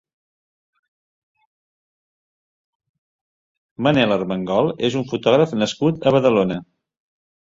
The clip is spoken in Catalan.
Manel Armengol és un fotògraf nascut a Badalona.